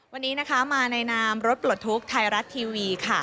วันนี้มาในนามรถปลดทุกข์ไทยรัฐทีวี